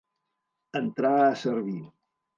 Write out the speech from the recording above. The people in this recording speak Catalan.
Entrar a servir.